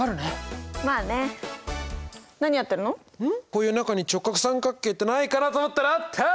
こういう中に直角三角形ってないかなと思ったらあった！